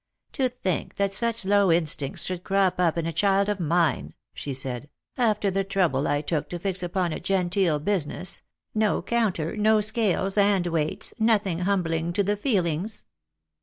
" To think that such low instincts should crop up in a child of mine," she said, " after the trouble I took to fix upon a genteel business — no counter, no scales and weights, nothing humbling to the feelings."